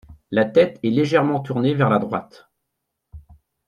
La tête est légèrement tournée vers la droite.